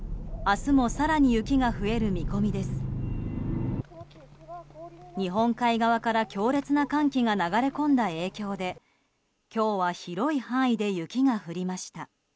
日本海側から強烈な寒気が流れ込んだ影響で今日は広い範囲で雪が降りました。